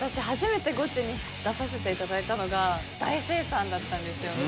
初めてゴチに出させていただいたのが大清算だったんですよ。